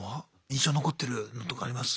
印象に残ってるのとかあります？